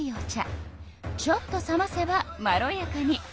ちょっと冷ませばまろやかに。